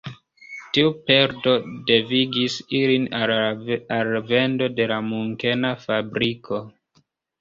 Tiu perdo devigis ilin al vendo de la Munkena fabriko.